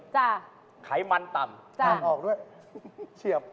ใช่ไขมันต่ำทำออกด้วยเชียบ